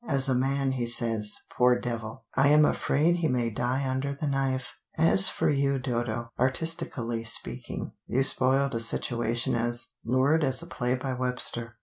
As a man he says, 'Poor devil, I am afraid he may die under the knife.' As for you, Dodo, artistically speaking, you spoiled a situation as lurid as a play by Webster.